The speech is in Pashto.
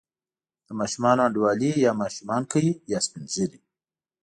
د ماشومانو انډیوالي یا ماشومان کوي، یا سپین ږیري.